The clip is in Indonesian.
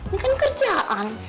ini kan kerjaan